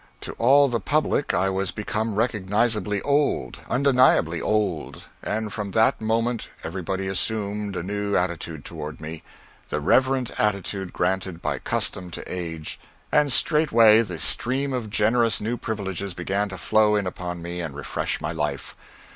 To all the public I was become recognizably old, undeniably old; and from that moment everybody assumed a new attitude toward me the reverent attitude granted by custom to age and straightway the stream of generous new privileges began to flow in upon me and refresh my life.